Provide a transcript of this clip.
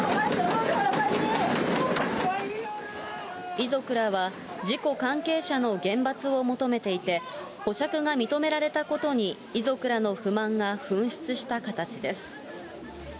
遺族らは、事故関係者の厳罰を求めていて、保釈が認められたことに遺族らの不満が噴出した形です。